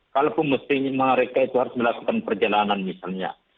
kalaupun mesti mereka itu harus melakukan perjalanan misalnya